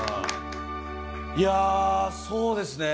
いやあそうですね。